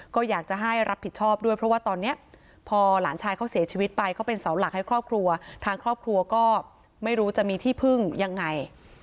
ก็อยากจะให้รับผิดชอบด้วยเพราะว่าตอนนี้พอหลานชายเขาเสียชีวิตไปเขาเป็นเสาหลักให้ครอบครัวทางครอบครัวก็ไม่รู้จะมีที่พึ่งยังไง